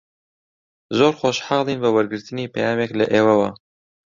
زۆر خۆشحاڵین بە وەرگرتنی پەیامێک لە ئێوەوە.